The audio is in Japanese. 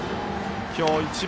今日一番。